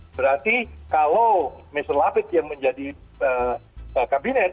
berarti kalau mr lapid yang menjadi kabinet